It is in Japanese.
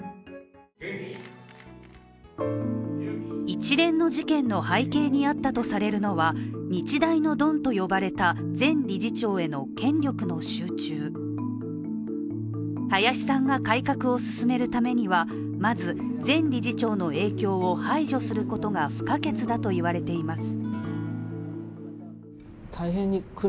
一連の事件の背景にあったとされるのは日大のドンと呼ばれた前理事長への権力の集中林さんが改革を進めるためにはまず、前理事長の影響を排除することが不可欠だといわれています。